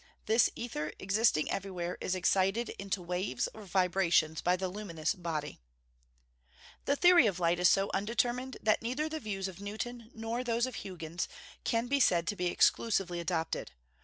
This ether, existing everywhere, is excited into waves, or vibrations, by the luminous body. The theory of light is so undetermined that neither the views of Newton, nor those of Huyghens, can be said to be exclusively adopted.